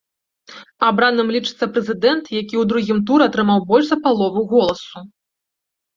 Абраным лічыцца прэзідэнт, які ў другім туры атрымаў больш за палову голасу.